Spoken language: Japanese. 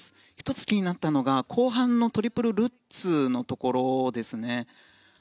１つ気になったのが後半のトリプルルッツのところですね。